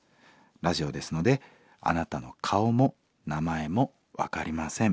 ラジオですのであなたの顔も名前も分かりません。